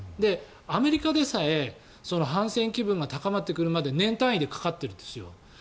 アメリカでさえ反戦機運が高まってくるまで年単位でかかっているんですよ。